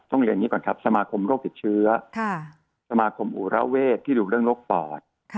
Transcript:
เรียนอย่างนี้ก่อนครับสมาคมโรคติดเชื้อสมาคมอุระเวทที่ดูเรื่องโรคปอด